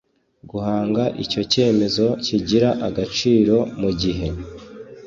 guhanga icyo cyemezo kigira agaciro mu gihe